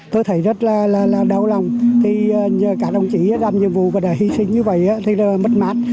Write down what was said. tôi thấy rất là đau lòng cả đồng chí làm nhiệm vụ và hy sinh như vậy thì mất mát